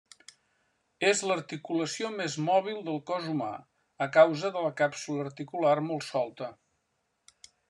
És l'articulació més mòbil del cos humà a causa de la càpsula articular molt solta.